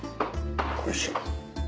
おいしい。